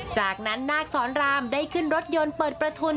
จากนั้นนาคสอนรามได้ขึ้นรถยนต์เปิดประทุน